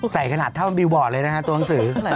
ขนาดเท่าบิวบอร์ดเลยนะฮะตัวหนังสือ